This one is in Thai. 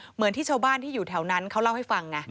เหมือนที่ชาวบ้านที่อยู่แถวนั้นเขาเล่าให้ฟังไง